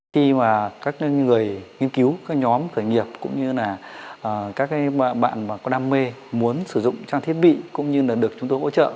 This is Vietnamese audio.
khi mà các người nghiên cứu các nhóm khởi nghiệp cũng như là các bạn có đam mê muốn sử dụng trang thiết bị cũng như là được chúng tôi hỗ trợ